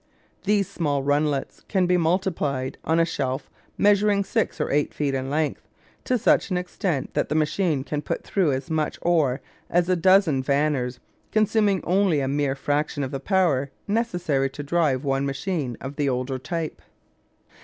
These small runlets can be multiplied, on a shelf measuring six or eight feet in length, to such an extent that the machine can put through as much ore as a dozen vanners, consuming only a mere fraction of the power necessary to drive one machine of the older type.